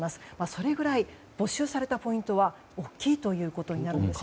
それぐらい没収されたポイントは大きいということなんですね。